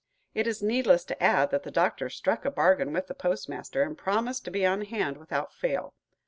It is needless to add that the Doctor struck a bargain with the postmaster and promised to be on hand without fail.